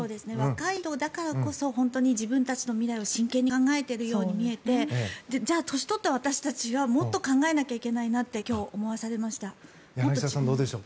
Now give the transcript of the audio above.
若い人だからこそ自分たちの未来を真剣に考えているように見えてじゃあ年を取っている私たちはもっと考えなきゃいけないなと思わされました。